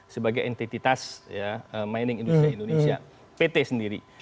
sebagai entitas mining indonesia pt sendiri